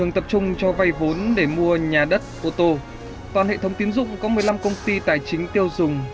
tiến dụng tiêu dùng